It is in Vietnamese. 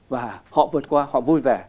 và họ vượt qua họ vui vẻ